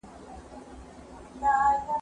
د کمزورو کنډوالې دي چي نړېږي.